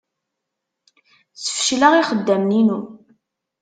Sfecleɣ ixeddamen-inu.